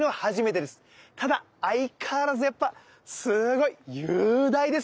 ただ相変わらずやっぱすごい雄大ですね。